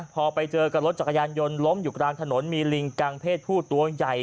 พอไปเจอกับรถจักรยานยนต์ล้มอยู่กลางถนนมีลิงกังเพศผู้ตัวใหญ่